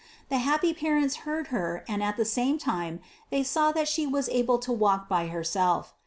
The happy parents heard Her and at the same time they saw that She was able to walk by herself.